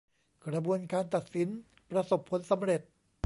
กระบวนการตัดสินประสบผลสำเร็จ